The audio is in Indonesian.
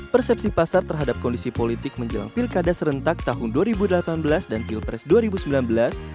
persepsi pasar terhadap kondisi politik menjelang pilkada serentak tahun dua ribu delapan belas dan pilpres dua ribu sembilan belas